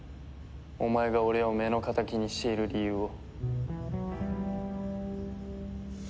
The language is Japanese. お前が俺を目の敵にしている理由を。